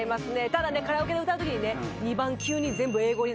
ただねカラオケで歌う時にね。